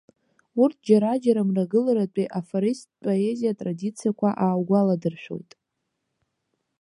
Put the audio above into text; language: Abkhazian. Урҭ џьара-џьара мрагыларатәи афористтә поезиа атрадициақәа ааугәаладыршәоит.